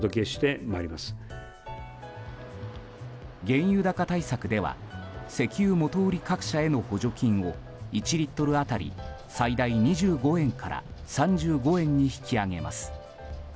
原油高対策では石油元売り各社への補助金を１リットル当たり最大２５円から３５円に引き上げます。